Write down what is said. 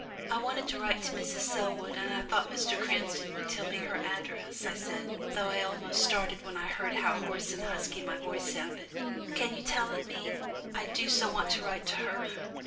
"I wanted to write to Mrs. Selwood, and I thought Mr. Cranston would tell me her address," I said, though I almost started when I heard how hoarse and husky my voice sounded. "Can you tell it me? I do so want to write to her."